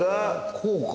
こうか。